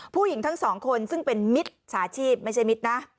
ผู้หญิงทั้งสองคนซึ่งเป็นมิตรฉาชีพไม่ใช่มิตรนะ